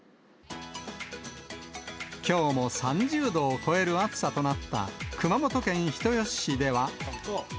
きょうも３０度を超える暑さとなった熊本県人吉市では。